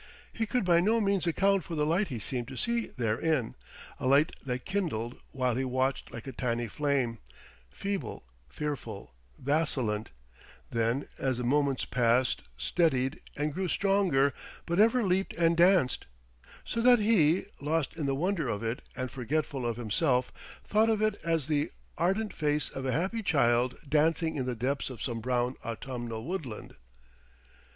He could by no means account for the light he seemed to see therein, a light that kindled while he watched like a tiny flame, feeble, fearful, vacillant, then as the moments passed steadied and grew stronger but ever leaped and danced; so that he, lost in the wonder of it and forgetful of himself, thought of it as the ardent face of a happy child dancing in the depths of some brown autumnal woodland....